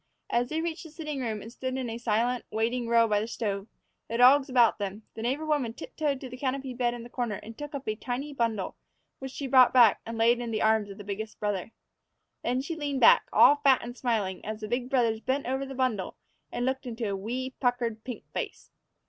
As they reached the sitting room and stood in a silent, waiting row by the stove, the dogs about them, the neighbor woman tiptoed to the canopied bed in the corner and took up a tiny bundle, which she brought back and laid in the arms of the biggest brother. Then she leaned back, all fat and smiling, as the big brothers bent over the bundle and looked into a wee, puckered, pink face.